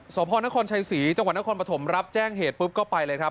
สพนครชัยศรีจังหวัดนครปฐมรับแจ้งเหตุปุ๊บก็ไปเลยครับ